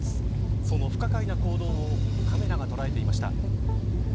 その不可解な行動をカメラが捉えていました。